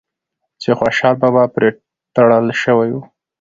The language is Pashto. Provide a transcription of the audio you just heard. چې خوشحال بابا پرې تړل شوی و